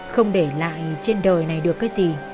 không để lại trên đời này được cái gì